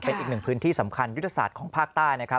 เป็นอีกหนึ่งพื้นที่สำคัญยุทธศาสตร์ของภาคใต้นะครับ